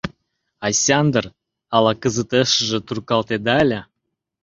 — Осяндр, ала кызытешыже туркалтеда ыле?